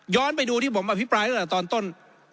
ไปดูที่ผมอภิปรายตั้งแต่ตอนต้น